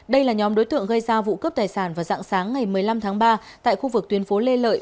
đây là nhóm đối tượng gây ra vụ cướp tài sản vào dạng sáng ngày một mươi năm tháng ba tại khu vực tuyến phố lê lợi